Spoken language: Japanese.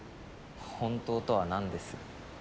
本当とは何です。